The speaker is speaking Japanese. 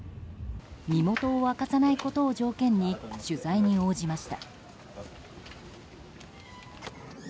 身元を明かさないことを条件に取材に応じました。